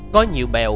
có nhiều bèo